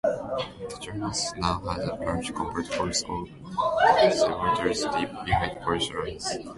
The Germans now had a large, covert force of saboteurs deep behind Polish lines.